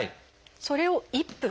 それを１分。